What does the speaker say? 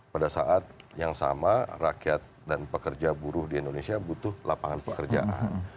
pada saat yang sama rakyat dan pekerja buruh di indonesia butuh lapangan pekerjaan